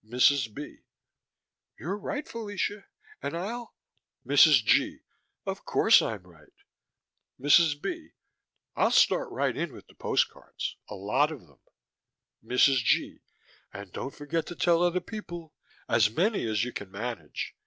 MRS. B.: You're right, Fellacia. And I'll MRS. G.: Of course I'm right. MRS. B.: I'll start right in with the postcards. A lot of them. MRS. G.: And don't forget to tell other people. As many as you can manage.